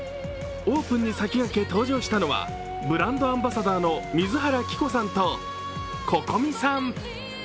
オープンに先駆け登場したのはブランドアンバサダーの水原希子さんとＣｏｃｏｍｉさん。